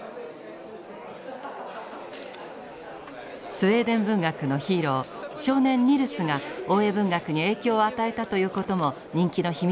スウェーデン文学のヒーロー少年ニルスが大江文学に影響を与えたということも人気の秘密だったのかもしれません。